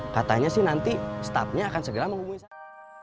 katanya sih nanti staffnya akan segera menghubungi saya